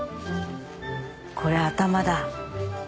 これ頭だ。